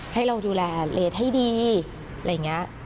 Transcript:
ให้เราดูแลเลสให้ดีอะไรอย่างนี้